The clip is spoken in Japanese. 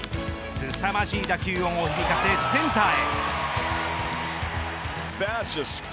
すさまじい打球音を響かせセンターへ。